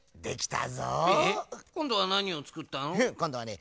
フッこんどはね